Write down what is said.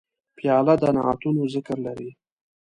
پیاله د نعتونو ذکر لري.